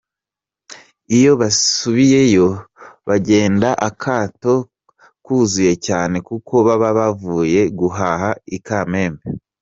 Iyo basubiyeyo bagenda akato kuzuye cyane kuko baba bavuye guhaha i Kamembe.